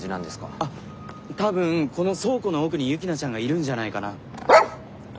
あっ多分この倉庫の奥にユキナちゃんがいるんじゃないかな？